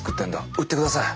「売ってください」